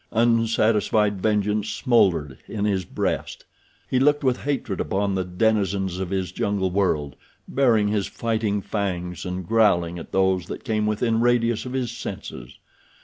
Unsatisfied vengeance smoldered in his breast. He looked with hatred upon the denizens of his jungle world, baring his fighting fangs and growling at those that came within radius of his senses.